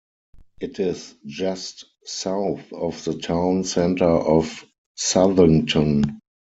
It is just south of the town center of Southington.